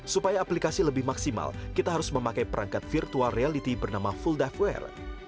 supaya aplikasi lebih maksimal kita harus memakai perangkat virtual reality bernama full divere